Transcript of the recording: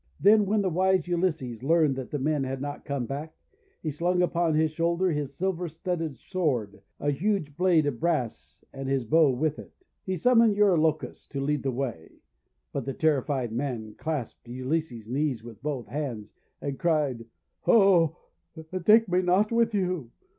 Then when the wise Ulysses learned that the men had not come back, he slung upon his shoulder his silver studded sword — a huge blade of brass — and his bow with it. He sum moned Eurylochus to lead the way, but the terrified man clasped Ulysses* knees with both hands, and cried :— "O take me not with you!